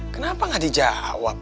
kenapa gak dijawab